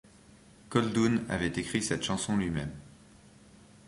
Koldun avait écrit cette chanson lui-même.